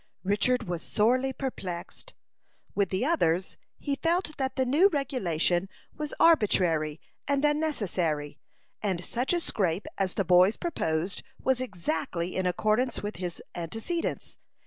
Richard was sorely perplexed. With the others, he felt that the new regulation was arbitrary and unnecessary; and such a scrape as the boys proposed was exactly in accordance with his antecedents.